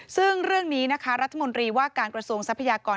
ซึ่งเรื่องนี้นะคะรัฐมนตรีว่าการกระทรวงทรัพยากร